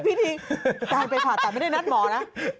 พี่ทีภาพไปภาษาไม่ได้นัดหมอนะ